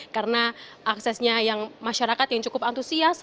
karena aksesnya yang masyarakat yang cukup antusias